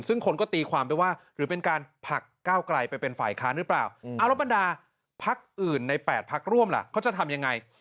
ซึ่งคนก็ตีความไปว่าหรือเป็นการผลักก้าวไกลไปเป็นฝ่ายค้าหรือเปล่า